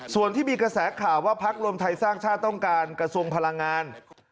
ส่วนที่มีกระแสข่าวว่าพักรวมไทยสร้างชาติต้องการกระทรวงพลังงาน